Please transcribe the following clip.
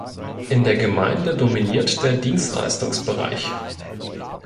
In der Gemeinde dominiert der Dienstleistungsbereich.